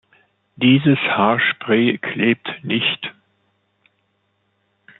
Dieses Haarspray klebt nicht.